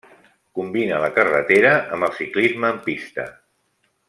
Combina la carrereta amb el ciclisme en pista.